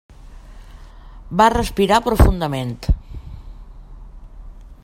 Va respirar profundament.